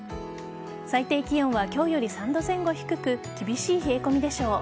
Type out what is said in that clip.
最低気温は今日より３度前後低く厳しい冷え込みでしょう。